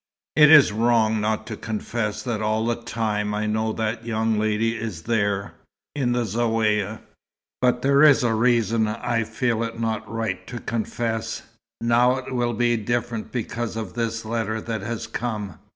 "It is wrong not to confess that all the time I know that young lady is there in the Zaouïa. But there is a reason I feel it not right to confess. Now it will be different because of this letter that has come.